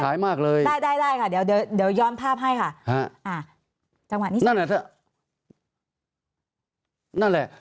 ตั้งแต่เริ่มมีเรื่องแล้ว